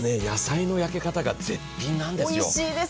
野菜の焼け方が絶品なんですよ。